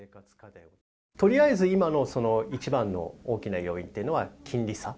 とりあえず今の一番の大きな要因は金利差。